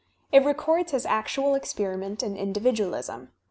It records his ac tual experiment in individualism.